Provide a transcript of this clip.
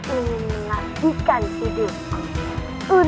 terima kasih gusti prabu